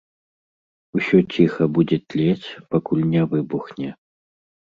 Усё ціха будзе тлець, пакуль не выбухне.